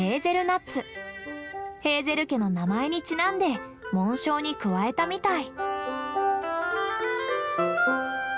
ヘーゼル家の名前にちなんで紋章に加えたみたい。